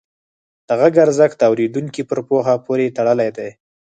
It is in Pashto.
د غږ ارزښت د اورېدونکي پر پوهه پورې تړلی دی.